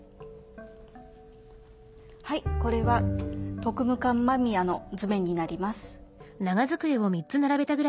これは特務艦間宮の図面になります。